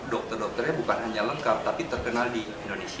dokter dokternya bukan hanya lengkap tapi terkenal di indonesia